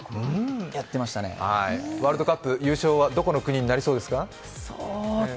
ワールドカップ優勝はどこの国になりそうですか？